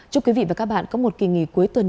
chúc quý vị và các bạn có một kỳ nghỉ cuối tuần